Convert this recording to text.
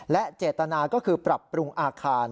และเจตนาก็คือปรับปรุงอาคาร